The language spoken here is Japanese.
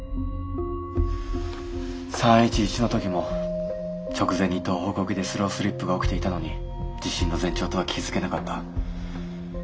「３．１１の時も直前に東北沖でスロースリップが起きていたのに地震の前兆とは気付けなかった」。